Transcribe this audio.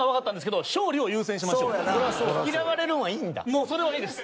もうそれはいいです。